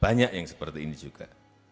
banyak yang seperti ini juga